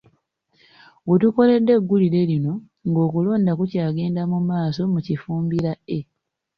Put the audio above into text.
We tukoledde eggulire lino ng'okulonda kukyagenda mu maaso mu Kifumbira A.